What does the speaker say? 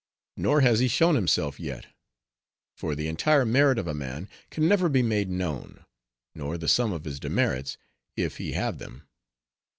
Nor has he shown himself yet; for the entire merit of a man can never be made known; nor the sum of his demerits, if he have them.